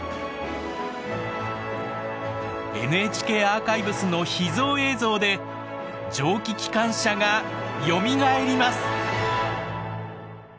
ＮＨＫアーカイブスの秘蔵映像で蒸気機関車がよみがえります。